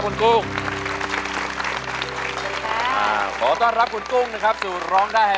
เปลี่ยนเพลงเพลงเก่งของคุณและข้ามผิดได้๑คำ